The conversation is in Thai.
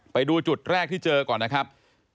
ไปดูจุดแรกที่เจอก่อนนะครับ